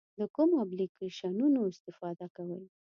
د کومو اپلیکیشنونو استفاده کوئ؟